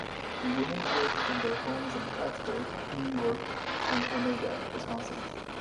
The women worked from their homes in Prattsburg, New York and Oneida, Wisconsin.